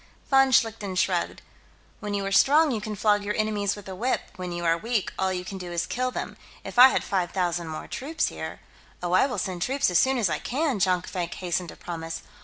Von Schlichten shrugged. "When you are strong, you can flog your enemies with a whip; when you are weak, all you can do is kill them. If I had five thousand more troops, here...." "Oh, I will send troops, as soon as I can," Jonkvank hastened to promise.